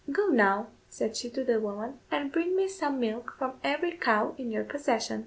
"Go, now," said she to the woman, "and bring me some milk from every cow in your possession."